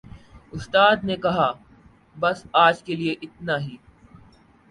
اُستاد نے کہا، "بس آج کے لئے اِتنا ہی"